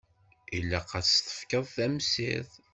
Ilaq ad s-tefkeḍ tamsirt.